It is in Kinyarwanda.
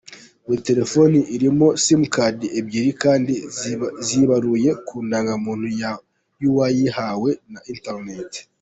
Buri Telefoni irimo Sim Card ebyiri kandi zibaruye ku ndangamuntu y’uwayihawe na internet.